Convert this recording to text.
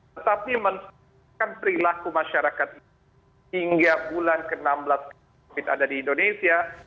tetapi mencetak perilaku masyarakat hingga bulan ke enam belas covid ada di indonesia